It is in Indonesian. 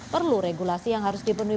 perlu regulasi yang harus dipenuhi